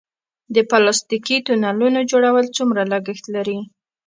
د پلاستیکي تونلونو جوړول څومره لګښت لري؟